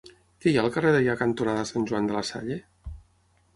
Què hi ha al carrer Deià cantonada Sant Joan de la Salle?